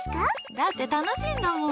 だって楽しいんだもん！